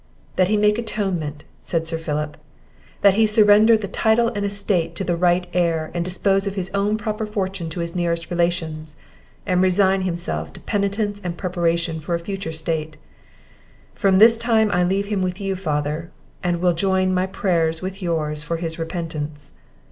"That he make atonement," said Sir Philip; "that he surrender the title and estate to the right heir, and dispose of his own proper fortune to his nearest relations, and resign himself to penitence and preparation for a future state. For this time I leave him with you, father, and will join my prayers with yours for his repentance."